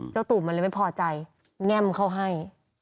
ตู่มันเลยไม่พอใจแง่มเขาให้